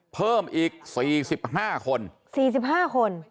เพิ่มอีก๔๕คน๔๕คน